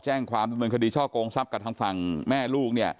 แจ้งความดำเนินคดีช่อกงทรัพย์กับทางฝั่งแม่ลูกเนี่ย